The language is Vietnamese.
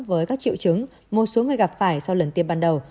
với các triệu chứng một số người gặp phải sau lần tiêm ban đầu